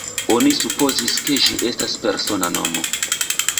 Oni supozis, ke ĝi estis persona nomo.